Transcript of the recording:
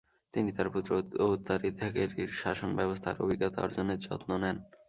তিনি তার পুত্র ও উত্তরাধিকারীর শাসনব্যবস্থার অভিজ্ঞতা অর্জনের যত্ন নেন।